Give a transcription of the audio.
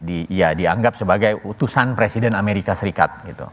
dianggap sebagai utusan presiden amerika serikat